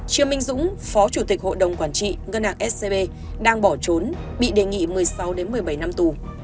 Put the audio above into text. chiêm minh dũng phó chủ tịch hội đồng quản trị ngân hàng scb đang bỏ trốn bị đề nghị một mươi sáu một mươi bảy năm tù